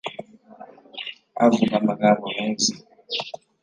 avuga amagambo meza